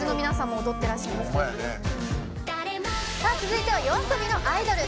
続いてはＹＯＡＳＯＢＩの「アイドル」。